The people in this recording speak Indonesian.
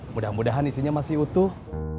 mudah mudahan isinya masih utuh